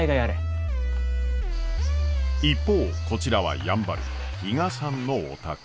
一方こちらはやんばる比嘉さんのお宅。